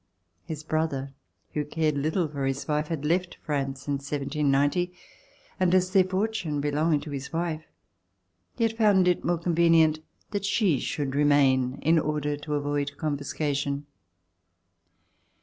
His brother, who cared little for his wife, had left France in 1790, and as their fortune belonged to his wife, he had found it more convenient that she should remain in order to avoid confiscation.